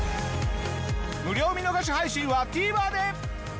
無料見逃し配信はＴＶｅｒで！